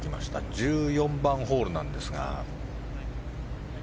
１４番ホールなんですが。